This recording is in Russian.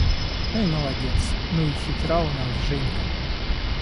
– Ну и молодец, ну и хитра у нас Женька!